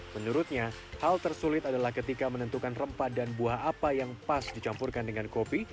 menurutnya hal tersulit adalah ketika menentukan rempah dan buah apa yang pas dicampurkan dengan kopi